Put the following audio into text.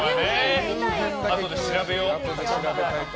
あとで調べよう。